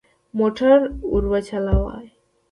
موټر ورو چلوئ